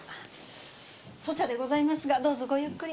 粗茶でございますがどうぞごゆっくり。